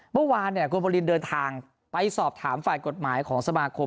เมื่อวานคุณวรินเดินทางไปสอบถามฝ่ายกฎหมายของสมาคม